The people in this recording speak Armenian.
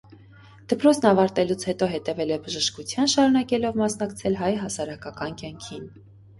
Դպրոցն ավարտելուց հետո հետևել է բժշկության, շարունակելով մասնակցել հայ հասարակական կյանքին։